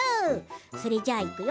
それじゃあ、いくよ！